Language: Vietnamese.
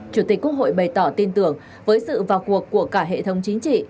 chủ tịch quốc hội bày tỏ tin tưởng với sự vào cuộc của cả hệ thống chính trị